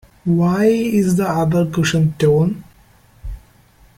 Why is the other cushion torn?